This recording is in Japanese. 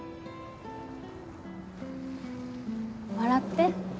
笑って。